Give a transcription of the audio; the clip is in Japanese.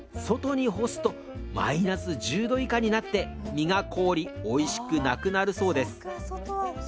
外に干すとマイナス１０℃以下になって身が凍りおいしくなくなるそうです。